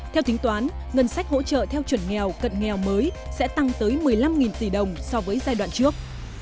theo tính toán ngân sách hỗ trợ theo chuẩn nghèo cận nghèo mới sẽ tăng tới một mươi năm tỷ đồng so với giai đoạn trước